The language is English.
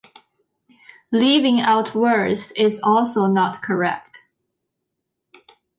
Leaving out words is also not correct.